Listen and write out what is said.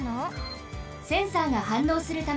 センサーがはんのうするためです。